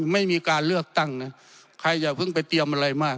ไม่มีการเลือกตั้งนะใครอย่าเพิ่งไปเตรียมอะไรมาก